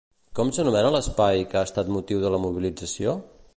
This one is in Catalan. Com s'anomena l'espai que ha estat motiu de la mobilització?